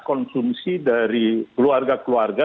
konsumsi dari keluarga keluarga